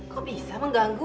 kok bisa mengganggu